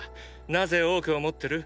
なぜ多くを持ってる？